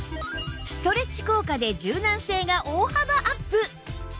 ストレッチ効果で柔軟性が大幅アップ！